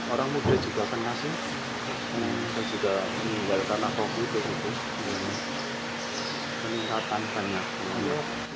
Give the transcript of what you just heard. orang muda juga pengasih juga meninggalkan aku itu